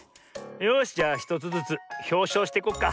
よしじゃあ１つずつひょうしょうしていこっか。